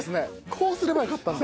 こうすればよかったんだ。